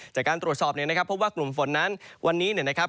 จากการตรวจสอบเนี่ยนะครับเพราะว่ากลุ่มฝนนั้นวันนี้เนี่ยนะครับ